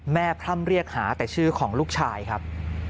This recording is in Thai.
พร่ำเรียกหาแต่ชื่อของลูกชายครับ